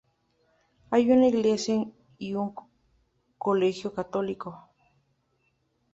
Hay una iglesia y un colegio católico.